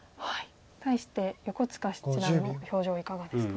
対して横塚七段の表情いかがですか？